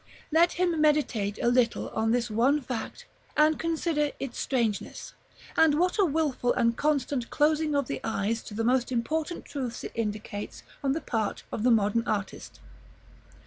Let him meditate a little on this one fact, and consider its strangeness, and what a wilful and constant closing of the eyes to the most important truths it indicates on the part of the modern artist.